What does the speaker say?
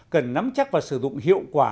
cần nắm chắc và sử dụng hiệu quả